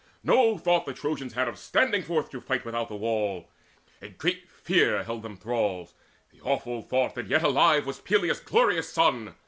No thought the Trojans had Of standing forth to fight without the wall. A great fear held them thralls, the awful thought That yet alive was Peleus' glorious son.